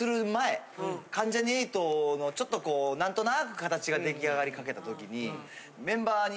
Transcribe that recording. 関ジャニ∞のちょっとこうなんとなく形が出来上がりかけた時に。